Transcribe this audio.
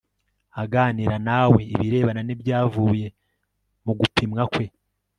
aganira nawe ibirebana n'ibyavuye mu gupimwa kwe